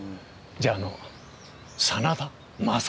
じゃああの真田昌幸とか？